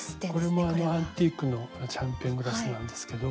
これもアンティークのシャンパングラスなんですけど。